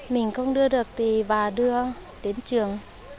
mình không đưa được thì bà đưa đến trường